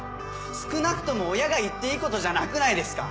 少なくとも親が言っていいことじゃなくないですか？